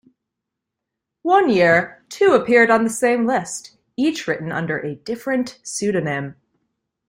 One year, two appeared on the same list, each written under a different pseudonym.